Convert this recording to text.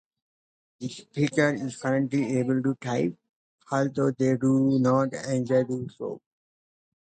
The speaker is currently able to type, although they do not enjoy doing so.